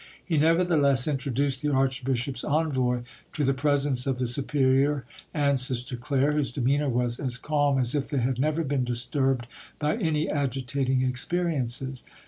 He nevertheless introduced the archbishop's envoy to the presence of the superior and Sister Claire, whose demeanour was as calm as if they had never been disturbed by any agitating' experiences.